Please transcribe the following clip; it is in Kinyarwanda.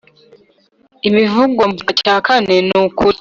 Ibivugwa mu gika cyakane nukuri.